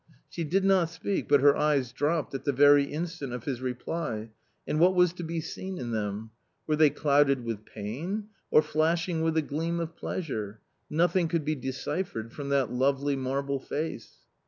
She did not speak, but her eyes dropped at the very in stant of his reply, and what was to be seen in them ? Were they clouded with pain or flashing with a gleam of pleasure — nothing could be deciphered from that lovely marble face.